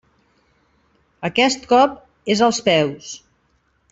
Aquest cop és als peus.